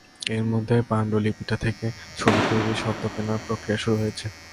এরই মধ্যে পাণ্ডুলিপিটি থেকে ছবি তৈরির স্বত্ব কেনার প্রক্রিয়া শুরু হয়েছে।